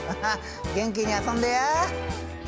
元気に遊んでや！